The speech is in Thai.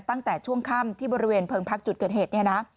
ตั้งแต่ช่วงค่ำที่บริเวณเพิงพักจุดเกิดเหตุเนี่ยนะ